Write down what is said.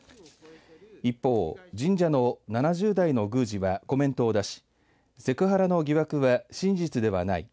一方、神社の７０代の宮司はコメントを出しセクハラの疑惑は真実ではない。